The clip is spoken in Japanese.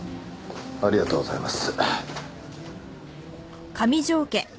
ありがとうございます。